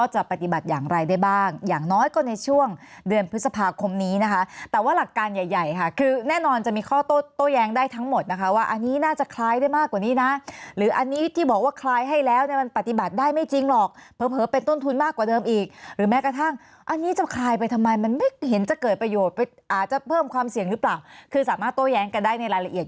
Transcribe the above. หลักการใหญ่ค่ะคือแน่นอนจะมีข้อโต้แย้งได้ทั้งหมดนะคะว่าอันนี้น่าจะคลายได้มากกว่านี้นะหรืออันนี้ที่บอกว่าคลายให้แล้วมันปฏิบัติได้ไม่จริงหรอกเผลอเป็นต้นทุนมากกว่าเดิมอีกหรือแม้กระทั่งอันนี้จะคลายไปทำไมมันไม่เห็นจะเกิดประโยชน์อาจจะเพิ่มความเสี่ยงหรือเปล่าคือสามารถโต้แย้งกัน